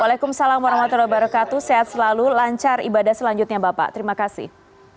waalaikumsalam warahmatullahi wabarakatuh sehat selalu lancar ibadah selanjutnya bapak terima kasih